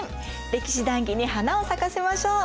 歴史談義に花を咲かせましょう。